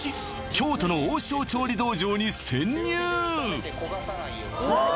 京都の王将調理道場に潜入！